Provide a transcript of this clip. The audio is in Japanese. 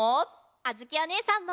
あづきおねえさんも。